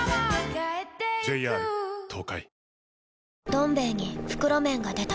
「どん兵衛」に袋麺が出た